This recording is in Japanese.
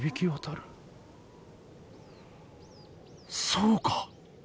そうか。